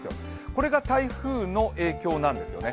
これが台風の影響なんですね。